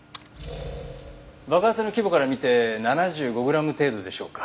爆発の規模から見て７５グラム程度でしょうか。